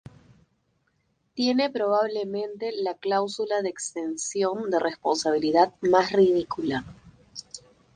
tiene probablemente la cláusula de exención de responsabilidad más ridícula